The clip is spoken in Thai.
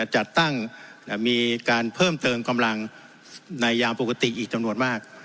จัดตั้งมีการเพิ่มเติมกำลังในยามปกติอีกจำนวนมาก